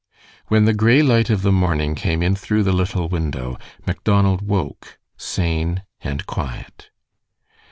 When the gray light of the morning came in through the little window, Macdonald woke sane and quiet.